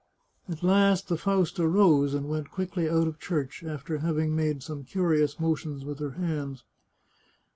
At last the Fausta rose and went quickly out of church, after having made some curious motions with her hands.